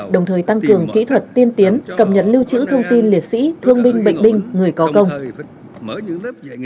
đồng thời tăng cường kỹ thuật tiên tiến cập nhật lưu trữ thông tin liệt sĩ thương binh bệnh binh người có công